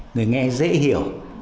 người nghe dễ hiểu